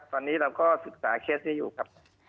ตอนนี้เราก็ศึกษาเคสนี้อยู่ครับ